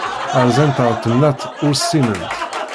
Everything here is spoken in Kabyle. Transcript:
Rzant ar temnaḍt ur ssinent.